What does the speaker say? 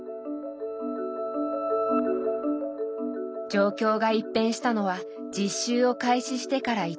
状況が一変したのは実習を開始してから１年半。